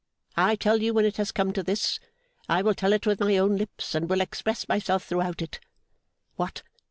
I tell you when it has come to this, I will tell it with my own lips, and will express myself throughout it. What!